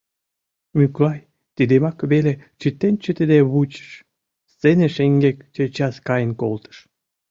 Мӱклай тидымак веле чытен-чытыде вучыш — сцене шеҥгек чечас каен колтыш.